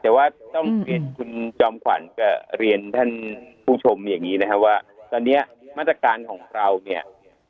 แต่ว่าต้องเรียนคุณจอมขวัญกับเรียนท่านผู้ชมอย่างนี้นะครับว่าตอนนี้มาตรการของเราเนี่ย